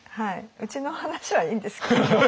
うちの話はいいんですけど。